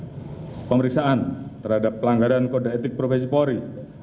melakukan pemeriksaan terhadap pelanggaran kode etik profesi polri